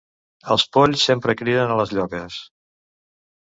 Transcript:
Els polls sempre criden a les lloques.